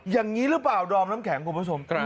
อย่างนี้หรือเปล่าดอมน้ำแข็งคุณผู้ชมครับ